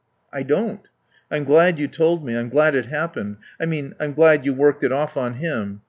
"I don't. I'm glad you told me. I'm glad it happened. I mean I'm glad you worked it off on him....